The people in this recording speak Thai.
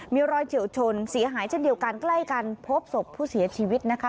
มีรอยเฉียวชนเสียหายเช่นเดียวกันใกล้กันพบศพผู้เสียชีวิตนะคะ